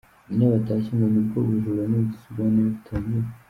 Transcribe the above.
Iyo batashye ngo nibwo ubujura n’ubugizi bwa nabi butangira.